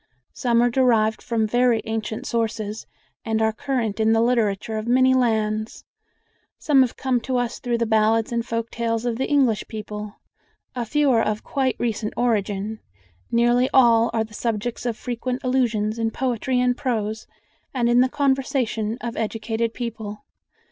Some are derived from very ancient sources, and are current in the literature of many lands; some have come to us through the ballads and folk tales of the English people; a few are of quite recent origin; nearly all are the subjects of frequent allusions in poetry and prose and in the conversation of educated people.